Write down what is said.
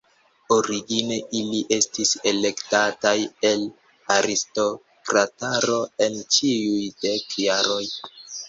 Origine ili estis elektataj el aristokrataro en ĉiuj dek jaroj.